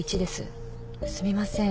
すみません。